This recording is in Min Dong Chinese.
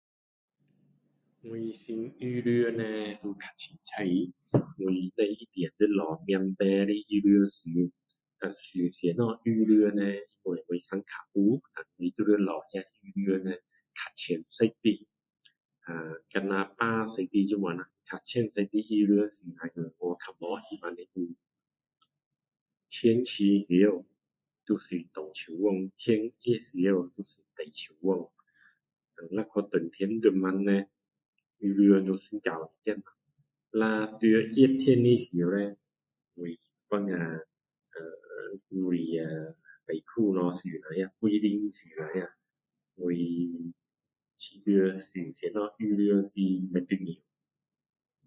我穿衣服叻较随便我没一定要找名片的衣服穿呃穿什么衣服叻我我长的太黑就要找那衣服较浅色的呃就像白色的这样啦较浅色的衣服穿了过去较没那么的黑天冷时要穿长袖子天热时要穿短袖子若去冬天地方叻衣服要穿厚一点咯若热天的时候我有时候呃…我呀短裤些穿下背心穿下我觉得穿什么衣服是不重要